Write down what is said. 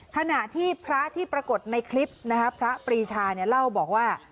ขณะที่พระที่ปรากฏในคลิปนะฮะพระปรีชาเนี่ยเล่าบอกว่า